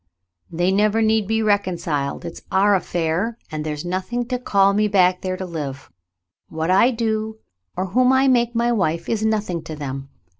"They never need be reconciled. It's our affair, and there's nothing to call me back there to live. What I do, or whom I make my wife, is nothing to them.